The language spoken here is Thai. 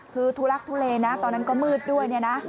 คือทุระกษ์ทุเวนะตอนนั้นก็มืดด้วย